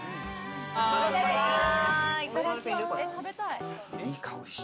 いただきます。